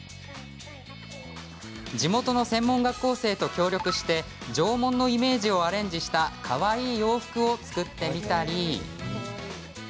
地元の専門学校生と協力して縄文のイメージをアレンジしたかわいい洋服を作ってみたり。